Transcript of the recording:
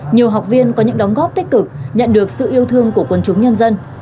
nhiều học viên có những đóng góp tích cực nhận được sự yêu thương của quần chúng nhân dân